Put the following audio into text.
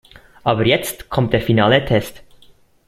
Aber jetzt kommt der finale Test.